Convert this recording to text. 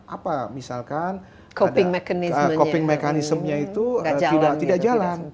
apa misalkan copping mechanismnya itu tidak jalan